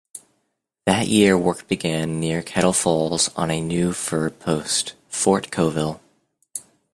That year work began near Kettle Falls on a new fur post, Fort Colvile.